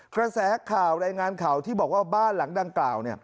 กระแสข่าวรายงานข่าวที่บอกว่าบ้านหลังดังกล่าว